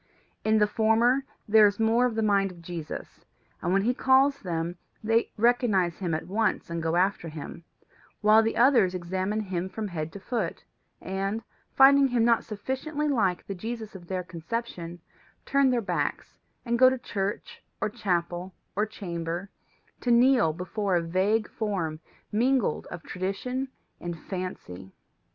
In the former there is more of the mind of Jesus, and when he calls them they recognize him at once and go after him; while the others examine him from head to foot, and, finding him not sufficiently like the Jesus of their conception, turn their backs, and go to church, or chapel, or chamber, to kneel before a vague form mingled of tradition and fancy.